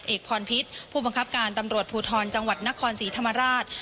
เอกพรพิษผู้บังคับการตำรวจภูทรจังหวัดนครศรีธรรมราช